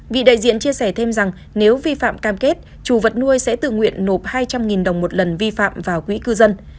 vị đại diện chia sẻ thêm rằng nếu vi phạm cam kết chủ vật nuôi sẽ tự nguyện nộp hai trăm linh đồng một lần vi phạm vào quỹ cư dân